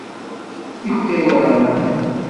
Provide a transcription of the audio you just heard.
Yefka-yam-t.